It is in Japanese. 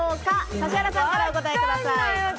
指原さんからお答えください。